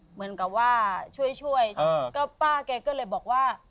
เหมือนกับว่าช่วยช่วยก็ป้าแกก็เลยบอกว่า